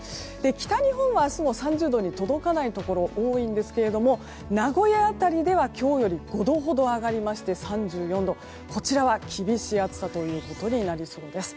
北日本は明日も３０度に届かないところが多いんですが名古屋辺りでは今日より５度ほど上がりまして３４度、こちらは厳しい暑さとなりそうです。